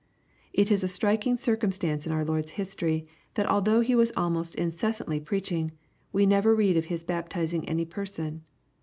It is a striking circumstance in our Lord's history, that although He was almost incessantly preaching, we never read of His baptizing any person.